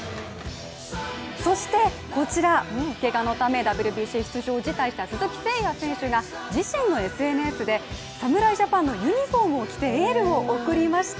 そしてこちら、けがのためＷＢＣ出場を辞退した鈴木誠也選手が自身のＳＮＳで、侍ジャパンのユニフォームを着てエールを送りました。